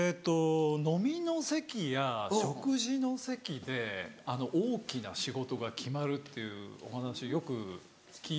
飲みの席や食事の席で大きな仕事が決まるっていうお話よく聞くんですよ。